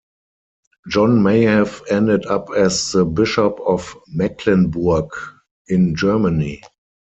John may have ended up as the Bishop of Mecklenburg in Germany.